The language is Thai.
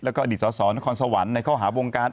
แล้วก็อดีตสสนครสวรรค์ในข้อหาวงการ